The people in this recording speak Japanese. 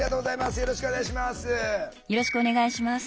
よろしくお願いします。